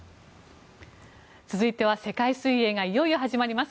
続いて、世界水泳がいよいよ始まります。